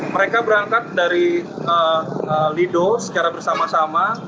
mereka berangkat dari lido secara bersama sama